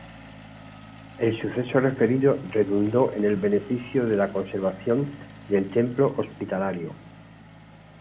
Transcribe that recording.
El suceso referido redundó en beneficio de la conservación del templo hospitalario.